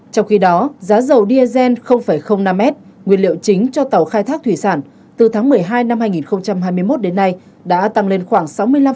trong khi đó giá dầu diesel năm m nguyên liệu chính cho tàu khai thác thủy sản từ tháng một mươi hai năm hai nghìn hai mươi một đến nay đã tăng lên khoảng sáu mươi năm